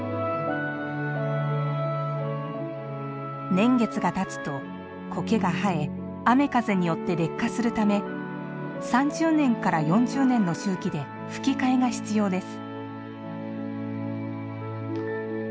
年月がたつと、こけが生え雨風によって劣化するため３０年から４０年の周期で葺き替えが必要です。